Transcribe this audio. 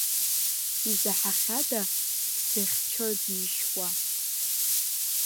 Изаҳахьада дзыхьчо дишьуа?